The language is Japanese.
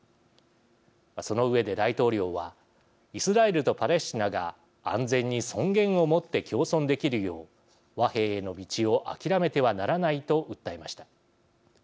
その上で大統領はイスラエルとパレスチナが安全に尊厳をもって共存できるよう和平への道をあきらめてはならないと訴えました。